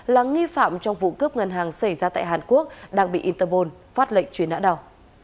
là nghi phạm trong vụ cướp ngân hàng xảy ra tại hàn quốc đang bị interpol phát lệnh chuyển đã đào